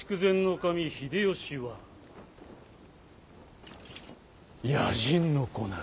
守秀吉は野人の子なり」。